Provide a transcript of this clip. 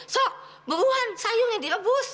sok buruan sayurnya dilebus